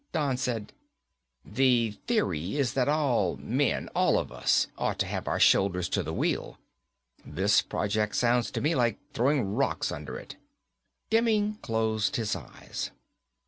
Don said, "The theory is that all men, all of us, ought to have our shoulders to the wheel. This project sounds to me like throwing rocks under it." Demming closed his eyes.